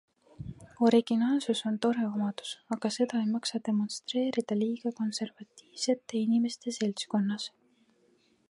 Originaalsus on tore omadus, aga seda ei maksa demonstreerida liiga konservatiivsete inimeste seltskonnas.